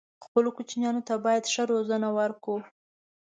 خپلو کوچنيانو ته بايد ښه روزنه ورکړو